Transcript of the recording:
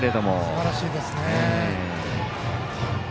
すばらしいですね。